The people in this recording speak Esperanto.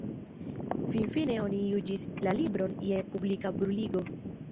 Finfine oni juĝis la libron je publika bruligo.